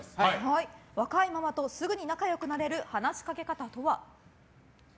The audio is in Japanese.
若いママとすぐに仲良くなれる話しかけ方とは？